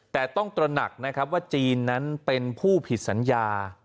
แต่ต้องตระหนักนะครับว่าจีนนั้นเป็นผู้ผิดสัญญา